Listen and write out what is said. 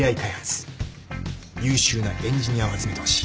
優秀なエンジニアを集めてほしい。